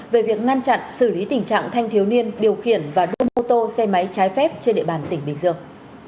về việc ngăn chặn xử lý tình trạng thanh thiếu niên điều khiển và đua mô tô xe máy trái phép trên địa bàn tỉnh bình dương